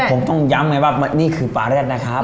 ผมต้องย้ำไงว่านี่คือปลาแรดนะครับ